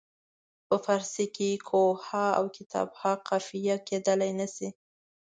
په فارسي کې کوه ها او کتاب ها قافیه کیدلای نه شي.